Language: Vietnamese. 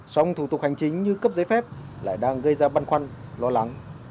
xong thủ tục hành chính như cấp giấy phép lại đang gây ra băn khoăn lo lắng